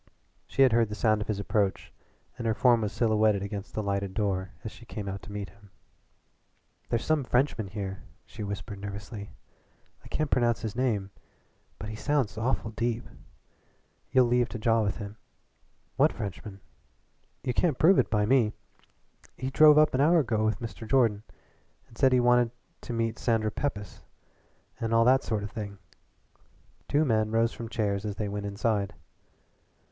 She had heard the sound of his approach and her form was silhouetted against the lighted door as she came out to meet him. "There's some Frenchman here," she whispered nervously. "I can't pronounce his name, but he sounds awful deep. You'll have to jaw with him." "What Frenchman?" "You can't prove it by me. He drove up an hour ago with Mr. Jordan, and said he wanted to meet Sandra Pepys, and all that sort of thing." Two men rose from chairs as they went inside.